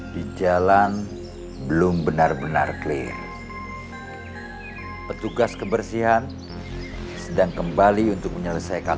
di jalan belum benar benar clear petugas kebersihan sedang kembali untuk menyelesaikan